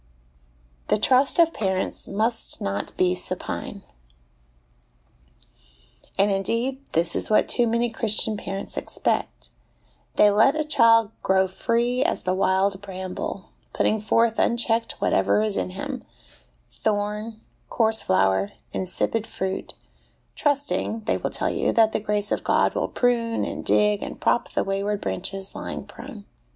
The Trust of Parents must not be Supine. And indeed this is what too many Christian parents expect : they let a child grow free as the wild bramble* putting forth unchecked whatever is in him thorn, coarse flower, insipid fruit, trusting, they will tell you, that the grace of God will prune and dig and prop the wayward branches lying prone.